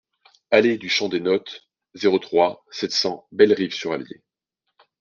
Allée du Champ des Nôtes, zéro trois, sept cents Bellerive-sur-Allier